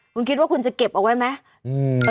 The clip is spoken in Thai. คุณคิดว่าคุณจะเก็บเอาไว้ไหม